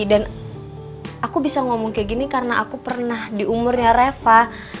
dan aku bisa ngomong kayak gini karena aku pernah di umurnya reva